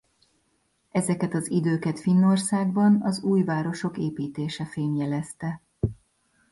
Ezeket az időket Finnországban az új városok építése fémjelezte.